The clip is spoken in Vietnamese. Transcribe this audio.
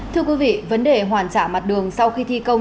thưa quý vị vấn đề hoàn trả mặt đường sau khi thi công